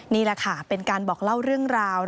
นี่แหละค่ะเป็นการบอกเล่าเรื่องราว